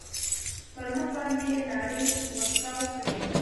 پر مخ باندې يې ناړې ورتو کړې.